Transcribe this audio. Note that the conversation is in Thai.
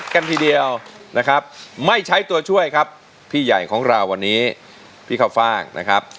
กันทีเดียวนะครับไม่ใช้ตัวช่วยครับพี่ใหญ่ของเราวันนี้พี่ข้าวฟ่างนะครับ